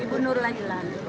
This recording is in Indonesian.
ibu nur lahilal